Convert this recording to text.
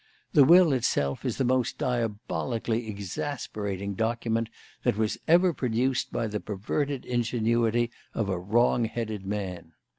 The will itself is the most diabolically exasperating document that was ever produced by the perverted ingenuity of a wrong headed man.